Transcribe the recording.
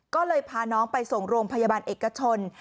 ก็เลยพาน้องไปส่งโรงพยาบาลเอกชน